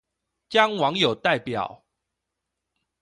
將網友代表